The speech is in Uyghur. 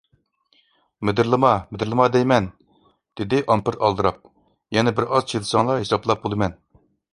-مىدىرلىما، مىدىرلىما دەيمەن! -دېدى ئامپېر ئالدىراپ، -يەنە بىر ئاز چىدىساڭلا ھېسابلاپ بولىمەن!